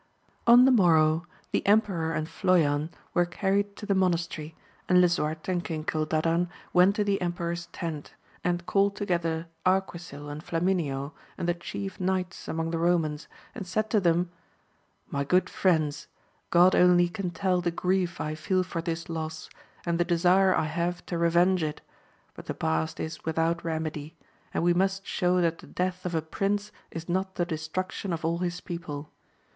On the morrow the emperor and Floyan were car ried to the monastery, and Lisuarte and King Cildadan went to the emperor*s tent, and called together Arqui 200 AMADIS OF GAUL. sil and Flamineo and the chief knights among the Ro mans, and said to them, My good friends, God only can tell the grief I feel for this loss, and the desire I have to revenge it ; but the past is without remedy, and we must show that the death of a prince is not the destruction of all his people.